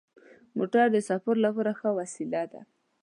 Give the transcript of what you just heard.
موټر د سفر لپاره ښه وسیله ده.